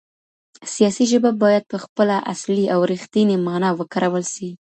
سياسي ژبه بايد په خپله اصلي او رښتينې مانا وکارول سي.